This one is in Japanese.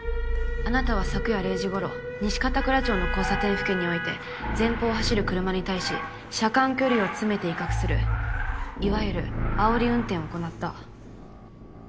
あなたは昨夜０時頃西片倉町の交差点付近において前方を走る車に対し車間距離を詰めて威嚇するいわゆるあおり運転を行った。